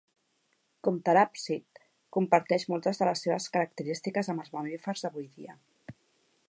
Com teràpsid, comparteix moltes de les seves característiques amb els mamífers d'avui dia.